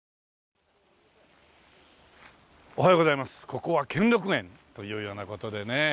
ここは兼六園。というような事でね。